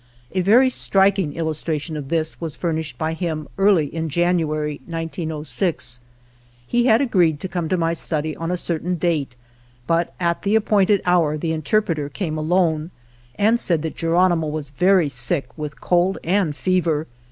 A very striking illustration of this was furnished by him early in January, 1906. He had agreed to come to my study on a certain date, but at the appointed hour the interpreter came alone, and said that Geronimo was very sick with cold and fever.